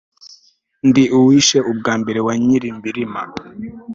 ndi uwishe ubw'amabere wa nyirimbirima